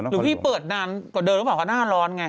หรือพี่เปิดนานกว่าเดินรึเปล่าเพราะหน้าร้อนไง